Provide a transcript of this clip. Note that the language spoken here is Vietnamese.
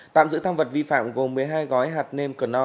tạm giữ tham vật vi phạm gồm một mươi hai gói hạt nêm cần nò